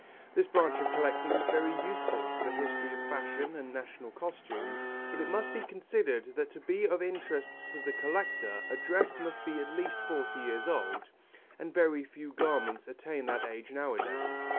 This branch of collecting is very useful to the history of fashion and national costumes, but it must be considered that to be of interest to the collector a dress must be at least forty years old, and very few garments attain that age nowadays.